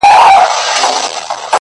نجلۍ ولاړه په هوا ده او شپه هم يخه ده;